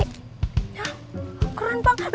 hah keren banget